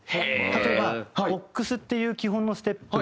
例えばボックスっていう基本のステップと。